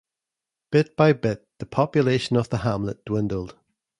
Bit by bit, the population of the hamlet dwindled.